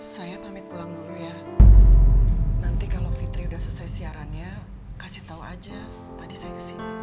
saya pamit pulang dulu ya nanti kalau fitri udah selesai siaran ya kasih tau aja tadi saya kesini